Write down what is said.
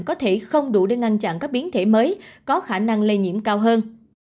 có thể không đủ để ngăn chặn các biến thể mới có khả năng lây nhiễm cao hơn